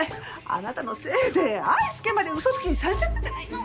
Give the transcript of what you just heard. あなたのせいで愛介まで嘘つきにされちゃったじゃないの。